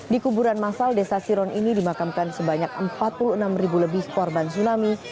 di kuburan masal desa siron ini dimakamkan sebanyak empat puluh enam ribu lebih korban tsunami